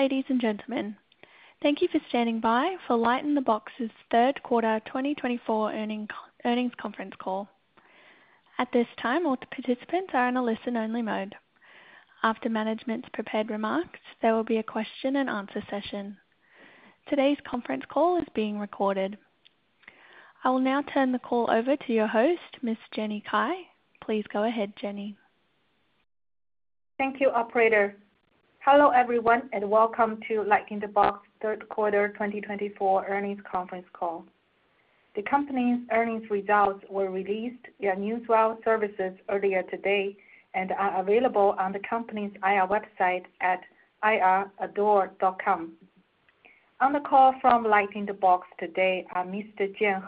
Hello, ladies and gentlemen. Thank you for standing by for LightInTheBox's third quarter 2024 earnings conference call. At this time, all participants are in a listen-only mode. After management's prepared remarks, there will be a question-and-answer session. Today's conference call is being recorded. I will now turn the call over to your host, Ms. Jenny Cai. Please go ahead, Jenny. Thank you, operator. Hello, everyone, and welcome to LightInTheBox's third quarter 2024 earnings conference call. The company's earnings results were released via Newswire services earlier today and are available on the company's IR website at ir.litb.com. On the call from LightInTheBox today are Mr. Jian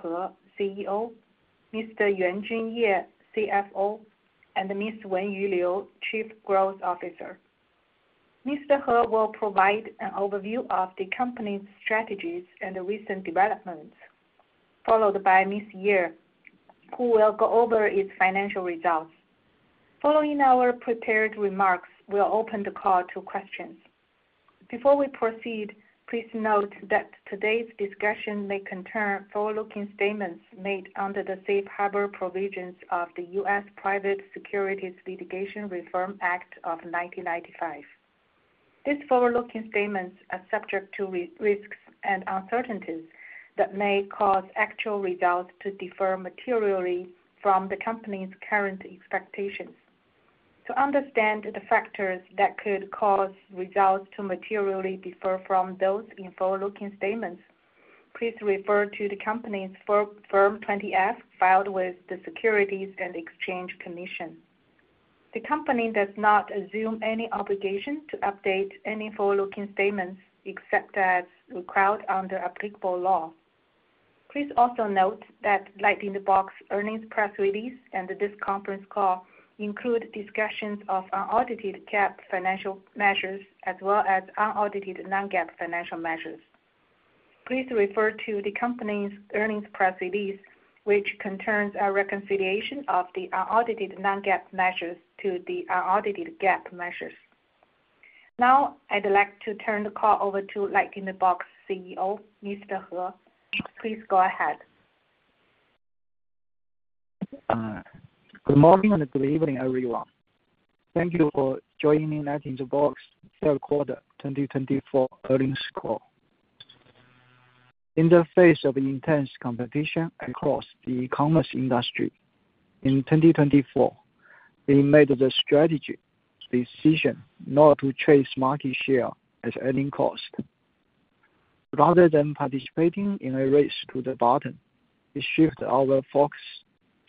He, CEO; Ms. Yuanjun Ye, CFO; and Ms. Wenyu Liu, Chief Growth Officer. Mr. He will provide an overview of the company's strategies and recent developments, followed by Ms. Ye, who will go over its financial results. Following our prepared remarks, we'll open the call to questions. Before we proceed, please note that today's discussion may contain forward-looking statements made under the Safe Harbor Provisions of the U.S. Private Securities Litigation Reform Act of 1995. These forward-looking statements are subject to risks and uncertainties that may cause actual results to differ materially from the company's current expectations. To understand the factors that could cause results to materially differ from those in forward-looking statements, please refer to the company's Form 20-F filed with the Securities and Exchange Commission. The company does not assume any obligation to update any forward-looking statements except as required under applicable law. Please also note that LightInTheBox earnings press release and this conference call include discussions of unaudited GAAP financial measures as well as unaudited non-GAAP financial measures. Please refer to the company's earnings press release, which concerns a reconciliation of the unaudited non-GAAP measures to the unaudited GAAP measures. Now, I'd like to turn the call over to LightInTheBox CEO, Mr. He. Please go ahead. Good morning and good evening, everyone. Thank you for joining LightInTheBox's third quarter 2024 earnings call. In the face of intense competition across the e-commerce industry in 2024, we made the strategic decision not to chase market share at the expense of earnings. Rather than participating in a race to the bottom, we shifted our focus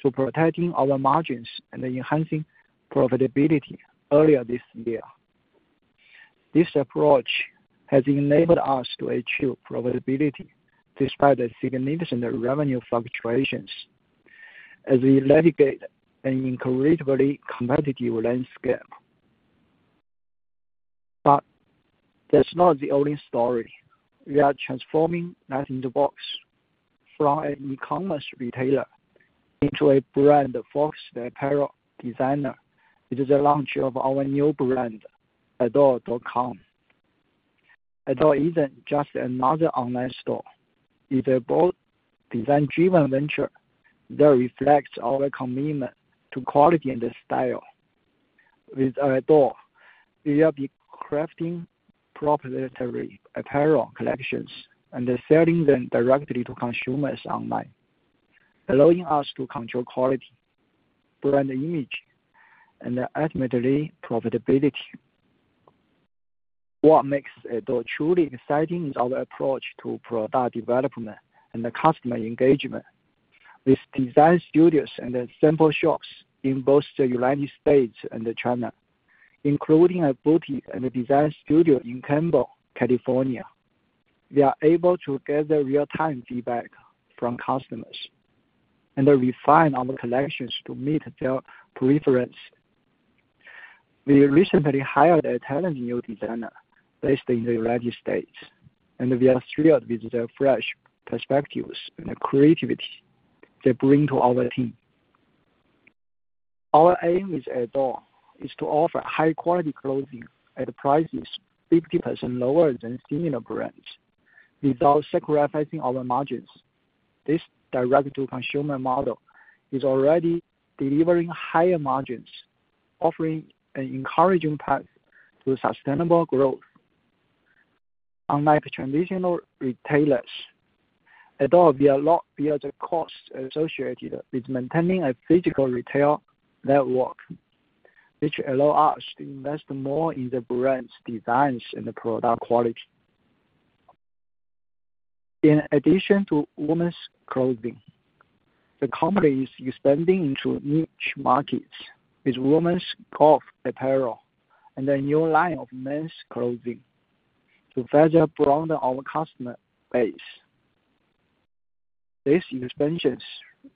to protecting our margins and enhancing profitability earlier this year. This approach has enabled us to achieve profitability despite the significant revenue fluctuations as we navigate an increasingly competitive landscape. But that's not the only story. We are transforming LightInTheBox from an e-commerce retailer into a brand-focused apparel designer with the launch of our new brand, Ador.com. Ador isn't just another online store. It's a bold, design-driven venture that reflects our commitment to quality and style. With Ador, we are crafting proprietary apparel collections and selling them directly to consumers online, allowing us to control quality, brand image, and ultimately profitability. What makes Ador truly exciting is our approach to product development and customer engagement. With design studios and sample shops in both the United States and China, including a boutique and design studio in Campbell, California, we are able to gather real-time feedback from customers and refine our collections to meet their preferences. We recently hired a talented new designer based in the United States, and we are thrilled with the fresh perspectives and creativity they bring to our team. Our aim with Ador is to offer high-quality clothing at prices 50% lower than similar brands, without sacrificing our margins. This direct-to-consumer model is already delivering higher margins, offering an encouraging path to sustainable growth. Unlike traditional retailers, Ador will not bear the cost associated with maintaining a physical retail network, which allows us to invest more in the brand's designs and product quality. In addition to women's clothing, the company is expanding into niche markets with women's golf apparel and a new line of men's clothing to further broaden our customer base. These expansions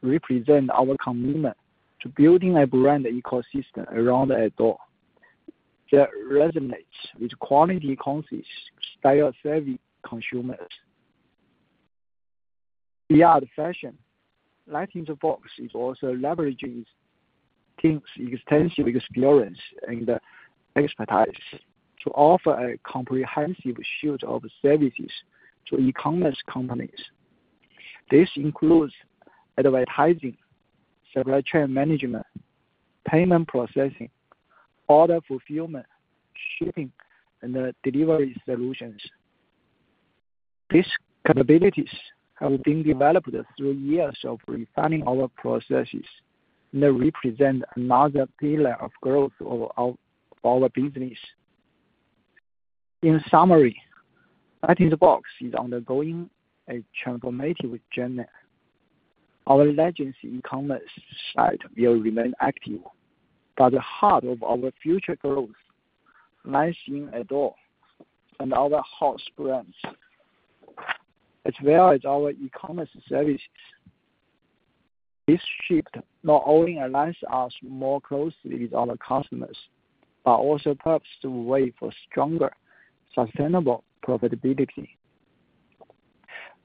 represent our commitment to building a brand ecosystem around Ador that resonates with quality-conscious, style-savvy consumers. Beyond fashion, LightInTheBox is also leveraging its team's extensive experience and expertise to offer a comprehensive suite of services to e-commerce companies. This includes advertising, supply chain management, payment processing, order fulfillment, shipping, and delivery solutions. These capabilities have been developed through years of refining our processes and represent another pillar of growth of our business. In summary, LightInTheBox is undergoing a transformative journey. Our legacy e-commerce site will remain active, but the heart of our future growth lies in Ador and our house brands, as well as our e-commerce services. This shift not only aligns us more closely with our customers but also paves the way for stronger, sustainable profitability.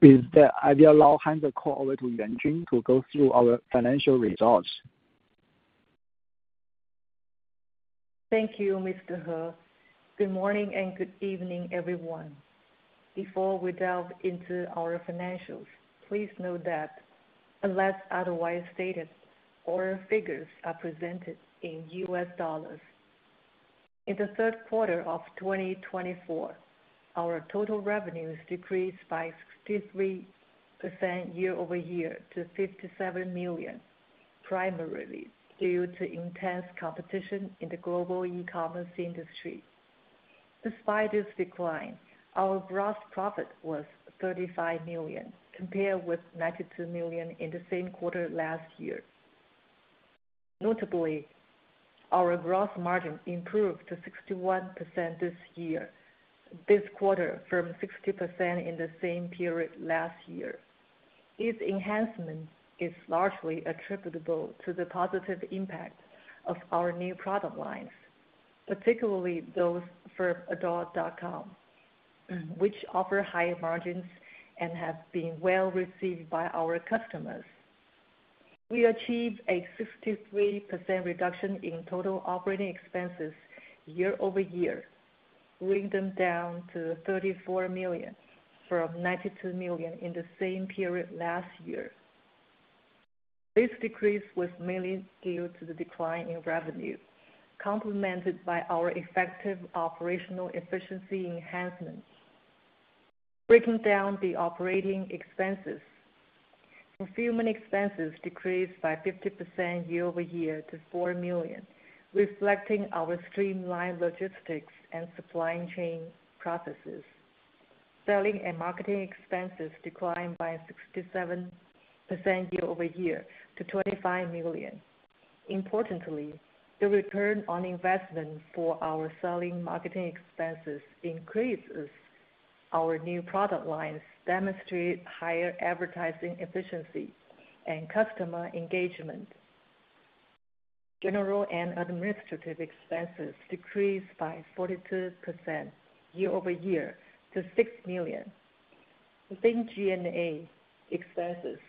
With that, I will now hand the call over to Yuanjun Ye to go through our financial results. Thank you, Mr. He. Good morning and good evening, everyone. Before we delve into our financials, please note that, unless otherwise stated, our figures are presented in U.S. dollars. In the third quarter of 2024, our total revenues decreased by 63% year-over-year to $57 million, primarily due to intense competition in the global e-commerce industry. Despite this decline, our gross profit was $35 million, compared with $92 million in the same quarter last year. Notably, our gross margin improved to 61% this year, this quarter from 60% in the same period last year. This enhancement is largely attributable to the positive impact of our new product lines, particularly those from Ador.com, which offer higher margins and have been well received by our customers. We achieved a 63% reduction in total operating expenses year-over-year, bringing them down to $34 million from $92 million in the same period last year. This decrease was mainly due to the decline in revenue, complemented by our effective operational efficiency enhancements. Breaking down the operating expenses, fulfillment expenses decreased by 50% year-over-year to $4 million, reflecting our streamlined logistics and supply chain processes. Selling and marketing expenses declined by 67% year-over-year to $25 million. Importantly, the return on investment for our selling and marketing expenses increases. Our new product lines demonstrate higher advertising efficiency and customer engagement. General and administrative expenses decreased by 42% year-over-year to $6 million. Within G&A expenses,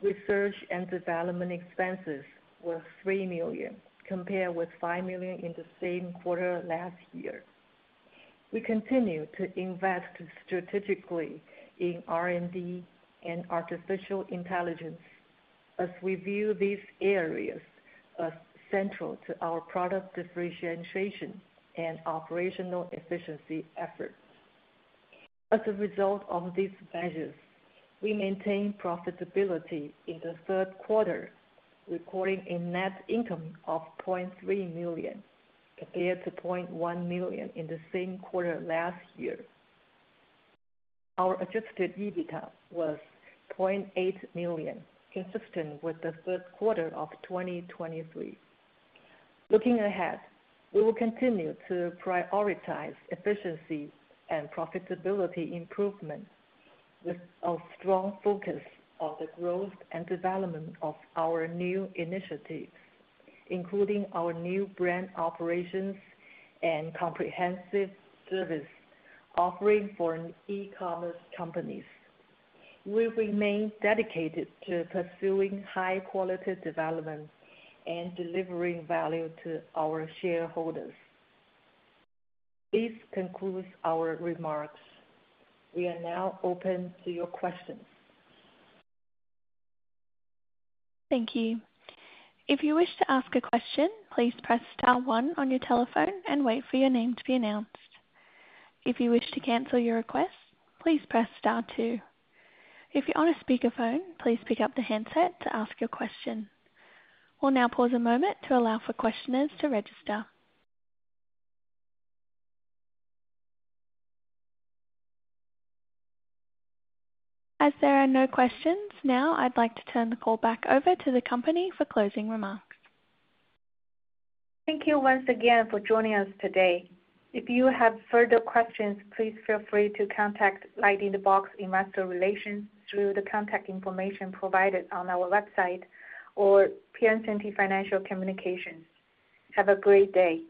research and development expenses were $3 million, compared with $5 million in the same quarter last year. We continue to invest strategically in R&D and artificial intelligence, as we view these areas as central to our product differentiation and operational efficiency efforts. As a result of these measures, we maintained profitability in the third quarter, recording a net income of $0.3 million compared to $0.1 million in the same quarter last year. Our Adjusted EBITDA was $0.8 million, consistent with the third quarter of 2023. Looking ahead, we will continue to prioritize efficiency and profitability improvements, with a strong focus on the growth and development of our new initiatives, including our new brand operations and comprehensive service offering for e-commerce companies. We remain dedicated to pursuing high-quality development and delivering value to our shareholders. This concludes our remarks. We are now open to your questions. Thank you. If you wish to ask a question, please press star one on your telephone and wait for your name to be announced. If you wish to cancel your request, please press star two. If you're on a speakerphone, please pick up the handset to ask your question. We'll now pause a moment to allow for questioners to register. As there are no questions now, I'd like to turn the call back over to the company for closing remarks. Thank you once again for joining us today. If you have further questions, please feel free to contact LightInTheBox Investor Relations through the contact information provided on our website or Piacente Financial Communications. Have a great day.